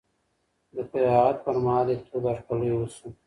د فراغت پر مهال یې تود هرکلی وشو.